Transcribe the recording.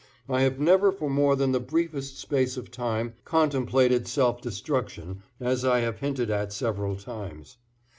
I have never for more than the briefest space of time contemplated self destruction as I have hinted at several times.